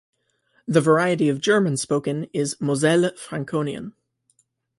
The variety of German spoken is Moselle Franconian.